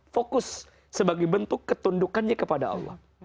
fokus sebagai bentuk ketundukannya kepada allah